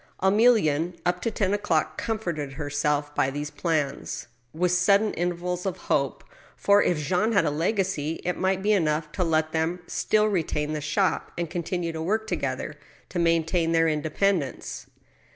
Emilienne, up to ten o'clock, comforted herself by these plans, with sudden intervals of hope, for, if Jean had a legacy, it mig^t be enough to let them still retain the shop, and continue to work to gether to maintain their independence.